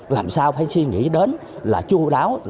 làm sao phải suy nghĩ đến là chú đáo